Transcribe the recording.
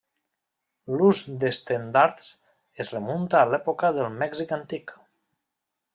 L'ús d'estendards es remunta a l'època del Mèxic antic.